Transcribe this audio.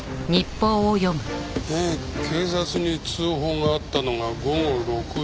ええ警察に通報があったのが午後６時半。